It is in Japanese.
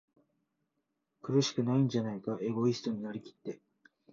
苦しくないんじゃないか？エゴイストになりきって、